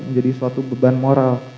menjadi suatu beban moral